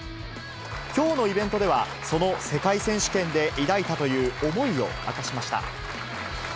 きょうのイベントでは、その世界選手権で抱いたという思いを明かしました。